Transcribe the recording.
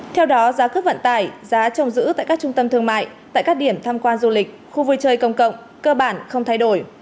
theo đó giá cước vận tải giá trồng giữ tại các trung tâm thương mại tại các điểm tham quan du lịch khu vui chơi công cộng cơ bản không thay đổi